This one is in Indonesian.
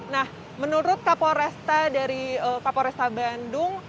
nah menurut kapolresta dari kapolresta bandung